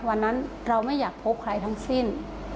วันนั้นเราไม่อยากพบใครทั้งสิ้น